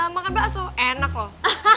makan bakso enak loh